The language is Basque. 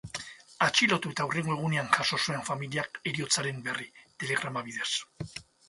Atxilotu eta hurrengo egunean jaso zuen familiak heriotzaren berri, telegrama bidez.